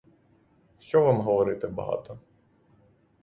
Що вам говорити багато!